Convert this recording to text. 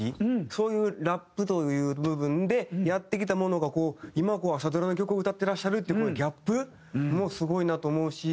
そういうラップという部分でやってきたものが今朝ドラの曲を歌っていらっしゃるっていうこのギャップもすごいなと思うし。